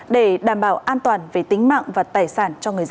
để đảm bảo an toàn về tính mạng và tài sản cho người dân